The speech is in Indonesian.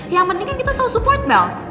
yang penting kan kita selalu support belt